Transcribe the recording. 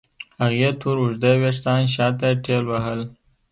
هغې تور اوږده وېښتان شاته ټېلوهل.